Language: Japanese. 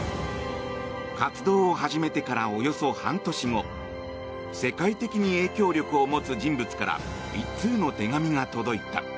活動を始めてからおよそ半年後世界的に影響力を持つ人物から１通の手紙が届いた。